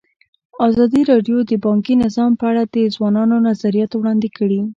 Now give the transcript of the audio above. ازادي راډیو د بانکي نظام په اړه د ځوانانو نظریات وړاندې کړي.